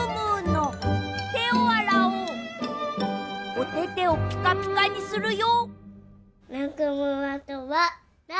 おててをピカピカにするよ。